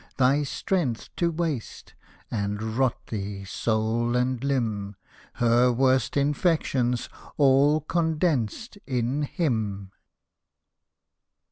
Thy strength to waste, and rot thee, soul and limb, Her worst infections all condensed in him